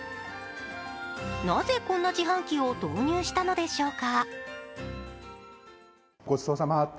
なぜこんな自販機を導入したのでしょうか。